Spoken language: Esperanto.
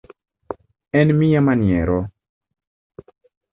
En mia maniero.